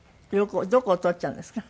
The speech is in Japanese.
どこをとっちゃうんですか？